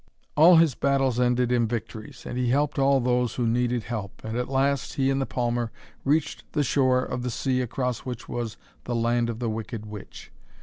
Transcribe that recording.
All his battles ended in victories, and he helped all those who needed help, and at last he and the palmer reached the shore of the sea across which was the land of the wicked witch.